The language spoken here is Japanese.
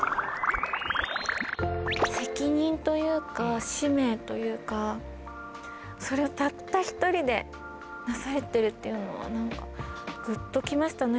責任というか使命というかそれをたった１人でなされてるっていうのは何かぐっときましたね。